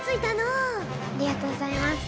ありがとうございます。